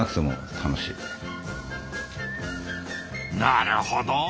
なるほど。